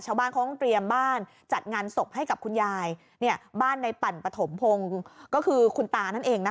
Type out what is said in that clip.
ชาวบ้านเขาก็เตรียมบ้านจัดงานศพให้กับคุณยายบ้านในปั่นปฐมพงศ์ก็คือคุณตานั่นเองนะคะ